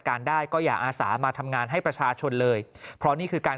ได้ก็อย่าอาสามาทำงานให้ประชาชนเลยเพราะนี่คือการ